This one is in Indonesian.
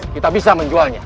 kita bisa menjualnya